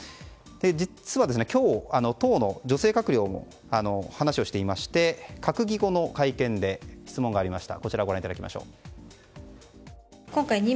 実は今日当の女性閣僚も話をしていまして閣議後の会見で質問がありました。